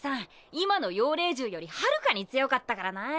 今の妖霊獣より遙かに強かったからな。